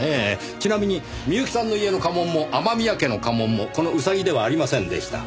ちなみに美由紀さんの家の家紋も雨宮家の家紋もこのウサギではありませんでした。